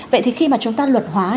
vậy thì khi mà chúng ta luật hóa